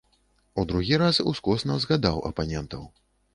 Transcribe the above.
У другі раз ускосна згадаў апанентаў.